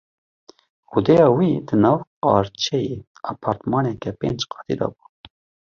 Odeya wî di nav qarçeyê apartmaneke pênc qatî de bû.